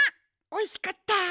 おいしかった。